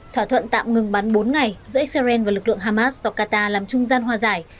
thỏa thuận tạm ngừng bắn bốn ngày giữa israel và lực lượng hamas do qatar làm trung gian hòa giải